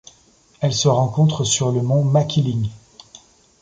Elle se rencontre sur le mont Makiling.